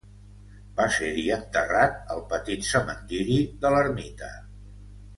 Va ser-hi enterrat al petit cementiri de l'ermita.